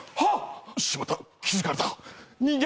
しまった、気付かれた。